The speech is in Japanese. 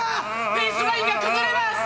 フェースラインが崩れます！